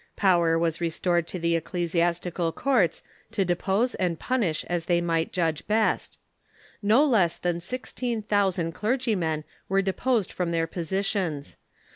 Power was restored to the ecclesi astical courts to depose and punish as they might judge best. No less than sixteen thousand clergymen were deposed from their positions.